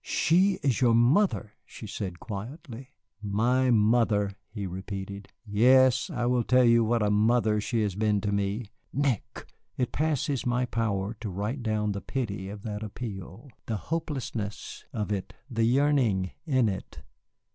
"She is your mother," she said quietly. "My mother!" he repeated; "yes, I will tell you what a mother she has been to me " "Nick!" It passes my power to write down the pity of that appeal, the hopelessness of it, the yearning in it.